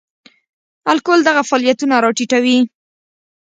الکول دغه فعالیتونه را ټیټوي.